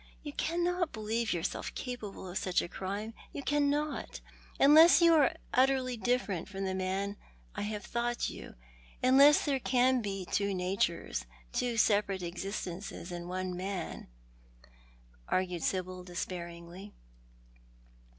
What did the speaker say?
You cannot believe yourself capable of sucli a crime— you cannot, unless you are utterly different from the man I have thought you — unless there can be two natures — two separate existences in one man," argued Sibyl, despairingly.